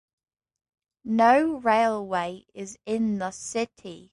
No railway is in the city.